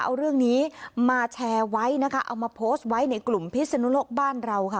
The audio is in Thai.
เอาเรื่องนี้มาแชร์ไว้นะคะเอามาโพสต์ไว้ในกลุ่มพิศนุโลกบ้านเราค่ะ